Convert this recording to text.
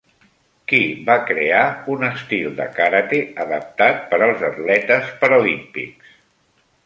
Qui va crear un estil de karate adaptat per als atletes paralímpics?